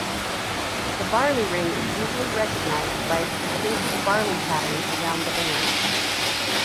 The barley ring is easily recognized by its distinctive barley pattern around the band.